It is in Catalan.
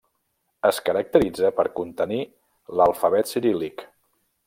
Es caracteritza per contenir l'alfabet ciríl·lic.